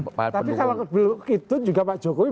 tapi kalau itu juga pak jokowi